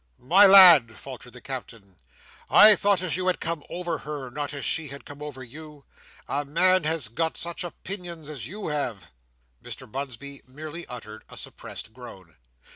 "My lad," faltered the Captain, "I thought as you had come over her; not as she had come over you. A man as has got such opinions as you have!" Mr Bunsby merely uttered a suppressed groan.